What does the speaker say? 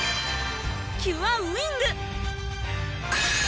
キュアウィング！